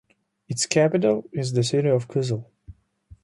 Its capital is the city of Kyzyl.